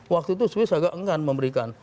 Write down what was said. waktu itu swiss agak enggan memberikan